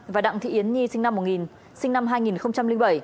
và đặng thị yến nhi sinh năm hai nghìn bảy